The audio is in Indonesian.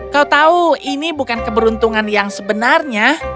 kau tahu ini bukan keberuntungan yang sebenarnya